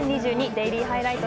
「デイリーハイライト」。